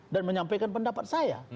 dan menyampaikan pendapat saya